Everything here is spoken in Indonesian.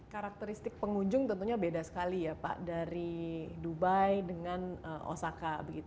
karakteristik pengunjung tentunya beda sekali ya pak dari dubai dengan osaka